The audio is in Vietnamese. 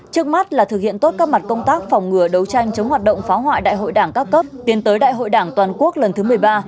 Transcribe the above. trước mắt là thực hiện tốt các mặt công tác phòng ngừa đấu tranh chống hoạt động phá hoại đại hội đảng các cấp tiến tới đại hội đảng toàn quốc lần thứ một mươi ba